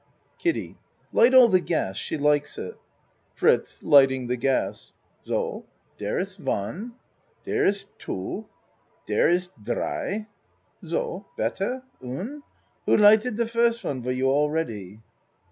KIDDIE Light all the gas. She likes it. FRITZ (Lighting the gas.) So. Dere iss one dere iss two dere iss dree. So. Better? Un? Who lighted the first one for you all ready?